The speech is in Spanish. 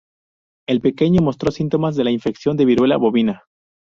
El pequeño mostró síntomas de la infección de viruela bovina.